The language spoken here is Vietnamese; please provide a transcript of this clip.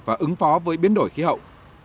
và ứng phó với biến đổi khí hậu